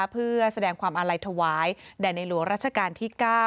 เพื่อแสดงความอาลัยถวายแด่ในหลวงราชการที่๙